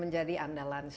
kepada umrah kerajaan tas